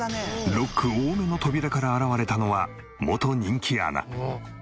ロック多めの扉から現れたのは元人気アナ。